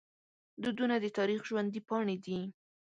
دودونه د تاریخ ژوندي پاڼې دي.